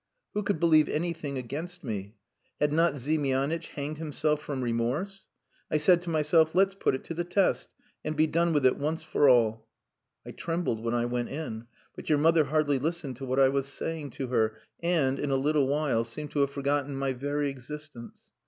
Who could believe anything against me? Had not Ziemianitch hanged himself from remorse? I said to myself, 'Let's put it to the test, and be done with it once for all.' I trembled when I went in; but your mother hardly listened to what I was saying to her, and, in a little while, seemed to have forgotten my very existence.